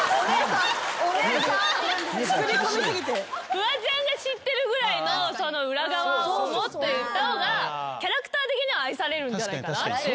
フワちゃんが知ってるぐらいの裏側をもっと言った方がキャラクター的には愛されるんじゃないかな。